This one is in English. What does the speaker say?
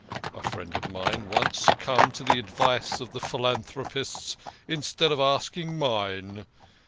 A friend of mine once succumbed to the advice of the phi lanthropists instead of asking mine.